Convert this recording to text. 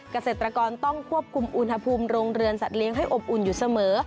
เกษตรกรต้องควบคุมอุณหภูมิโรงเรือนสัตเลี้ยงให้อบอุ่นอยู่เสมอ